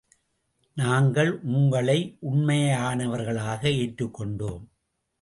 நாங்கள் உங்களை உண்மையானவர்களாக ஏற்றுக் கொண்டோம்.